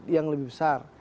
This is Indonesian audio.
yang lebih besar